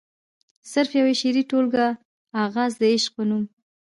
صرف يوه شعري ټولګه “اغاز َد عشق” پۀ نوم